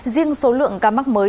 riêng số lượng ca mắc mới